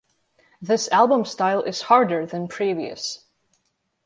This album style is harder than previous.